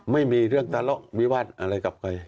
ไม่มีเรื่องทะเลาะวิวาสอะไรกับใคร